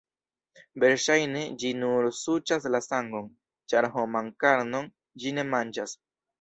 Verŝajne ĝi nur suĉas la sangon, ĉar homan karnon ĝi ne manĝas.